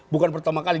bukan pertama kali